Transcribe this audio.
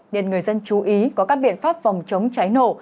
nên người dân chú ý có các biện pháp phòng chống cháy nổ